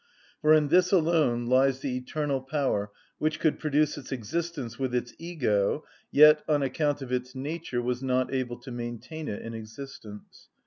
For in this alone lies the eternal power which could produce its existence with its ego, yet, on account of its nature, was not able to maintain it in existence.